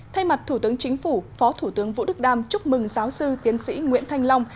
thay mặt thủ tướng chính phủ phó thủ tướng vũ đức đam chúc mừng giáo sư tiến sĩ nguyễn thanh long